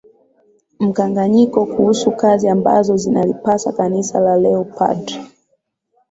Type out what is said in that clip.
mkanganyiko kuhusu kazi ambazo zinalipasa Kanisa la leo Padri